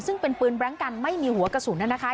ซึ่งเป็นปืนแบล็งกันไม่มีหัวกระสุนนะคะ